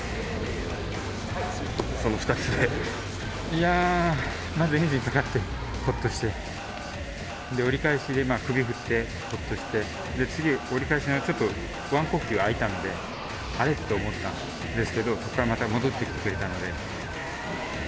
いやまずエンジンかかってほっとしてで折り返しで首振ってほっとして次折り返しがワン呼吸空いたんであれ？って思ったんですけどそっからまた戻ってきてくれたので正直ほっとしました。